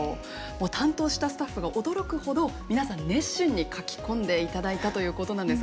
担当したスタッフが驚くほど皆さん熱心に書き込んでいただいたということなんですが。